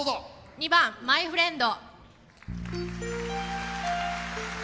２番「マイフレンド」。